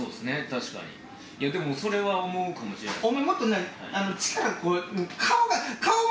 確かにでもそれは思うかもしれないです